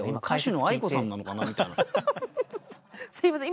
すいません